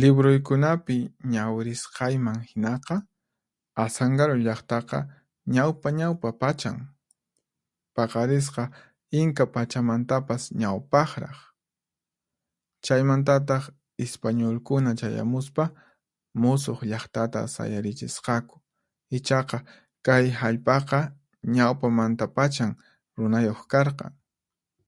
Libruykunapi ñawirisqayman hinaqa, Asankaru llaqtaqa ñawpa ñawpa pachan, paqarisqa Inka pachamantapas ñawpaqraq. Chaymantataq Ispañulkuna chayamuspa musuq llaqtata sayarichisqaku, ichaqa kay hallp'aqa ñawpamantapachan runayuq karqan.